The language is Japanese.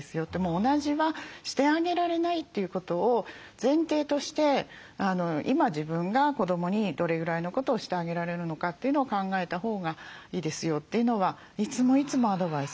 同じはしてあげられないということを前提として今自分が子どもにどれぐらいのことをしてあげられるのかというのを考えたほうがいいですよというのはいつもいつもアドバイスしています。